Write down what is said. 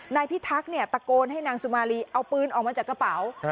นายพิทักษ์ตะโกนให้นางสุมารีเอาปืนออกมาจากกระเป๋า